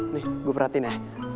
nih gua perhatiin ya